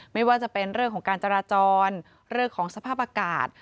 ไม่ว่าจะเป็นเรื่องของการจราจรเรื่องของสภาพอากาศ